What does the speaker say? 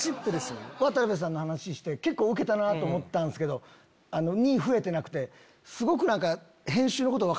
渡部さんの話結構ウケたなと思ったんすけど２増えてなくて。